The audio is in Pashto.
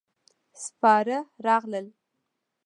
سپاره راغلل.